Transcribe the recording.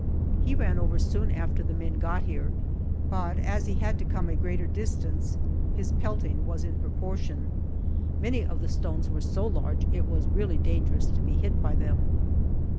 He ran over soon after the men got here, but as he had to come a greater distance his pelting was in proportion. Many of the stones were so large it was really dangerous to be hit by them.